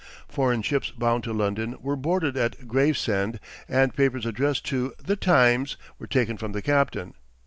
Foreign ships bound to London were boarded at Gravesend, and papers addressed to "The Times" were taken from the captain.